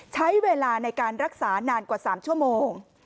ใช้เวลาในการรักษานานกว่า๓ชั่วโมง